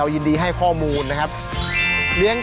แล้วก็สองก็คือโรคขี้เปื่อยหางเปื่อยหางเปื่อยเหรอ